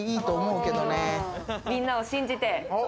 みんなを信じて。